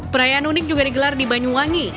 perayaan unik juga digelar di banyuwangi